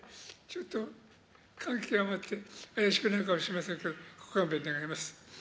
ちょっと感極まってあやしくなるかもしれませんけど、ご勘弁願います。